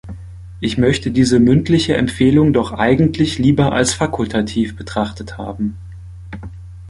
Ich möchte diese mündliche Empfehlung doch eigentlich lieber als fakultativ betrachtet haben.